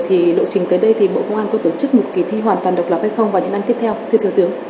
thì lộ trình tới đây thì bộ công an có tổ chức một kỳ thi hoàn toàn độc lập hay không vào những năm tiếp theo